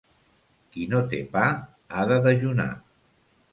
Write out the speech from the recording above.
Qui no té pa ha de dejunar.